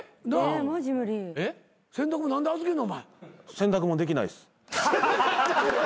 洗濯物できないです。